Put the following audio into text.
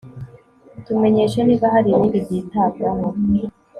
Tumenyeshe niba hari ibindi byitabwaho